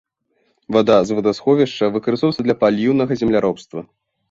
Вада з вадасховішча выкарыстоўваецца для паліўнага земляробства.